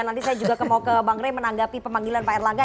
nanti saya juga mau ke bang ray menanggapi pemanggilan pak erlangga